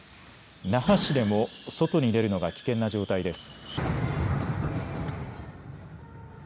那覇市でも外に出るのが危険な状態です。